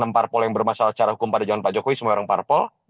enam parpol yang bermasalah secara hukum pada zaman pak jokowi semua orang parpol